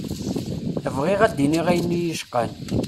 Bɣiɣ ad d-iniɣ ayen iyi-icqan.